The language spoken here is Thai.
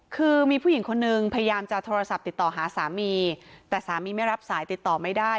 คือมีผู้หญิงคนนึงพยายามจะโทรศัพท์ติดต่อหาสามีแต่สามีไม่รับสายติดต่อไม่ได้